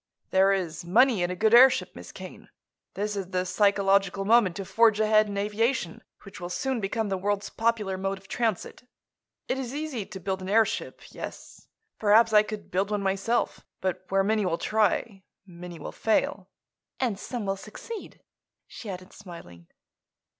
"There is money in a good airship, Miss Kane. This is the psychological moment to forge ahead in aviation, which will soon become the world's popular mode of transit. It is easy to build an airship; yes. Perhaps I could build one myself. But where many will try, many will fail." "And some will succeed," she added, smiling.